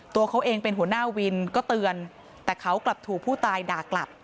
ตัวเขาเองเป็นหัวหน้าวินก็เตือนแต่เขากลับถูกผู้ตายด่ากลับ